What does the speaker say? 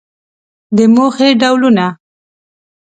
د موخې ډولونه